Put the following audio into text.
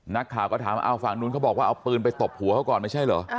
นักข่าวก็ถามว่าฝั่งนู้นเขาบอกว่าเอาปืนไปตบหัวเขาก่อนไม่ใช่เหรอ